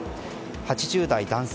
８０代男性